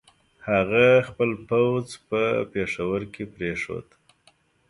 هغه خپل پوځ په پېښور کې پرېښود.